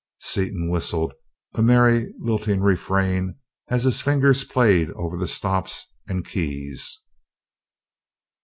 Seaton whistled a merry lilting refrain as his fingers played over the stops and keys.